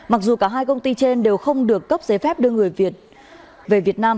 mặc dù cả hai công ty trên đều không được cấp giấy phép đưa người việt về việt nam